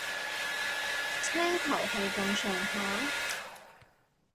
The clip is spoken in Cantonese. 青頭係咁上下